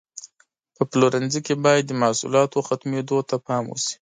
په پلورنځي کې باید د محصولاتو ختمېدو ته پام وشي.